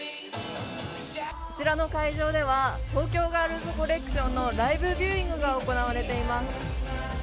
こちらの会場では東京ガールズコレクションのライブビューイングが行われています。